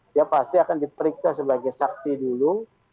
dia pasti akan diperiksa sebagai saksi dulu